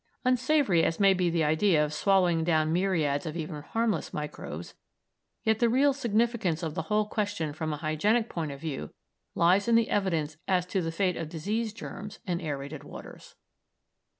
Unsavoury as may be the idea of swallowing down myriads of even harmless microbes, yet the real significance of the whole question from a hygienic point of view lies in the evidence as to the fate of disease germs in aërated waters.